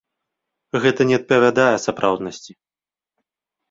Гэта не адпавядае сапраўднасці.